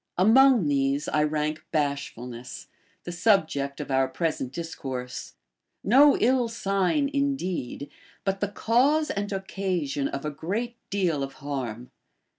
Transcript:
Among these I rank bashfulness, the subject of our present dis course ; no ill sign indeed, but the cause and occasion of a great deal of harm.